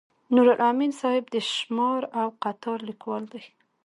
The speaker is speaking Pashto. نورالامین صاحب د شمار او قطار لیکوال دی.